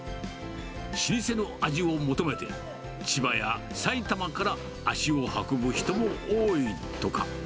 老舗の味を求めて、千葉や埼玉から足を運ぶ人も多いとか。